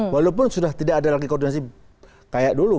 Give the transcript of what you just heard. walaupun sudah tidak ada lagi koordinasi kayak dulu